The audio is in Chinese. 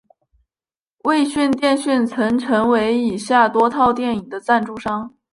卫讯电讯曾成为以下多套电影的赞助商。